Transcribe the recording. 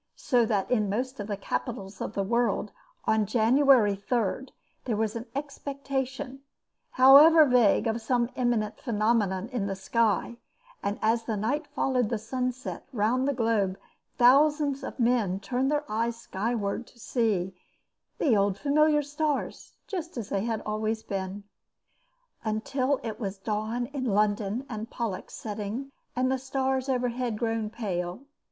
So that in most of the capitals of the world, on January 3rd, there was an expectation, however vague of some imminent phenomenon in the sky; and as the night followed the sunset round the globe, thousands of men turned their eyes skyward to see the old familiar stars just as they had always been. Until it was dawn in London and Pollux setting and the stars overhead grown pale.